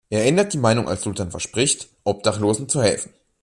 Er ändert die Meinung als Sultan verspricht, Obdachlosen zu helfen.